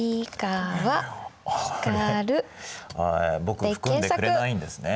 僕を含んでくれないんですね。